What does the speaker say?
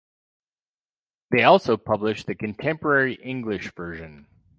They also publish the Contemporary English Version.